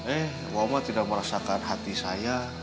eh omo tidak merasakan hati saya